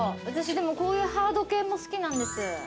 私でもハード系も好きなんです。